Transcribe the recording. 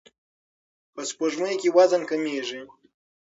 په سپوږمۍ کې وزن کمیږي.